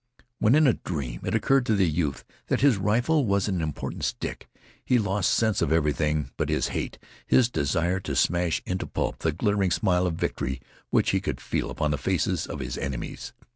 When, in a dream, it occurred to the youth that his rifle was an impotent stick, he lost sense of everything but his hate, his desire to smash into pulp the glittering smile of victory which he could feel upon the faces of his enemies.